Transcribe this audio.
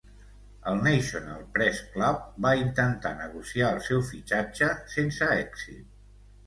El National Press Club va intentar negociar el seu fitxatge sense èxit.